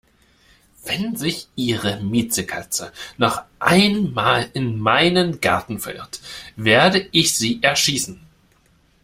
Wenn sich Ihre Miezekatze noch einmal in meinen Garten verirrt, werde ich sie erschießen!